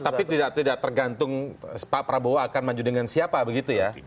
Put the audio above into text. tapi tidak tergantung pak prabowo akan maju dengan siapa begitu ya